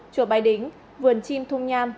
chùa bái đính vườn chim thung nham